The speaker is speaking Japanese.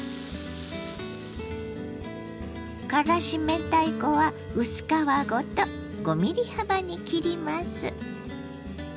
からし明太子は薄皮ごと５ｍｍ幅に切ります。